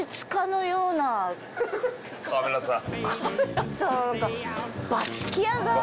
カメラさん。